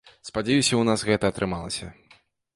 Спадзяюся, у нас гэта атрымалася.